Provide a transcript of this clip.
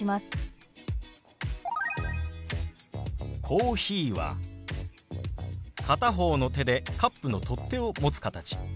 「コーヒー」は片方の手でカップの取っ手を持つ形。